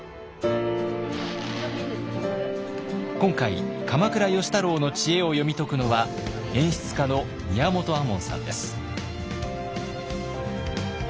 今回鎌倉芳太郎の知恵を読み解くのは演出家の宮本亞門さんです。